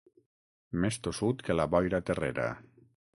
Més tossut que la boira terrera.